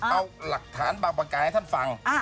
เอาหลักฐานบางประการให้ท่านฟัง